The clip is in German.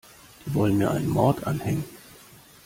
Die wollen mir einen Mord anhängen.